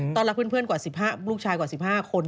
ตอนรักเพื่อนกว่า๑๕ลูกชายกว่า๑๕คน